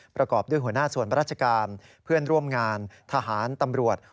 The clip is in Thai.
ประกอบด้วยหัวหน้าส่วนราชการเพื่อนร่วมงานทหารตำรวจ